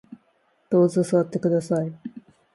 どうぞ座ってください